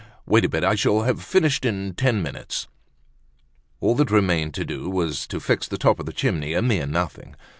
Wait a bit, I shall have finished in ten minutes." All that remained to do was to fix the top of the chimney—a mere nothing.